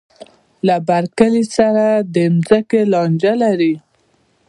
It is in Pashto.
له بر کلي سره د ځمکې لانجه لري.